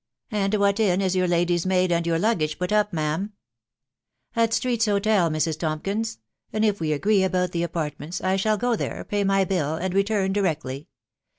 At what inn is your lady's maid and your luggage put up, ma'am ?"" At Street's Hotel, Mrs. Tompkins ; and if we agree about the apartments, I shall go there, pay my bill, and return di rectly.